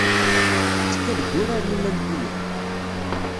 Tettekka deg Wuraren Ulimpiyen.